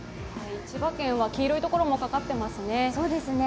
千葉県は黄色いところもかかっていますね。